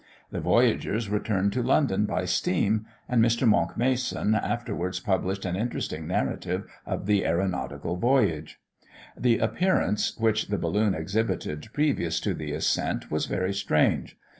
The voyagers returned to London by steam, and Mr. Monck Mason afterwards published an interesting narrative of the æronautical voyage. The appearance which the balloon exhibited previous to the ascent was very strange.